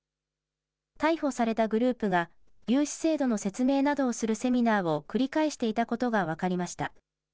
逮捕されたグループが、融資制度の説明などをするセミナーを繰り返していたことが分かりました。